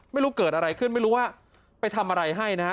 ไม่รู้เกิดอะไรขึ้นไม่รู้ว่าไปทำอะไรให้นะฮะ